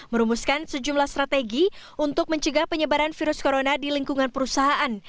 merumuskan sejumlah strategi untuk mencegah penyebaran virus corona di lingkungan perusahaan